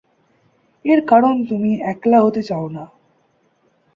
এর কারণ তুমি একলা হতে চাও না।